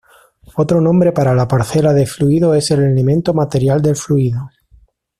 Otro nombre para la parcela de fluido es el elemento material del fluido.